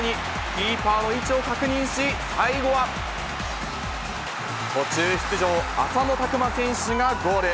キーパーの位置を確認し、最後は、途中出場、浅野拓磨選手がゴール。